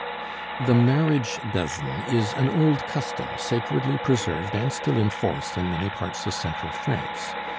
The "marriage dozen" is an old custom sacredly preserved and still in force in many parts of central France.